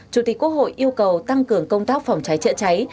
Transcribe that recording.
chủ tịch quốc hội yêu cầu tăng cường công tác phòng cháy chữa cháy